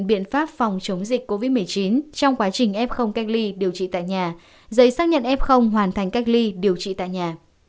biện pháp phòng chống dịch covid một mươi chín trong quá trình f cách ly điều trị tại nhà giấy xác nhận f hoàn thành cách ly điều trị tại nhà